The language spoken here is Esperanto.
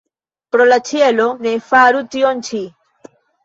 Pro la ĉielo, ne faru tion ĉi!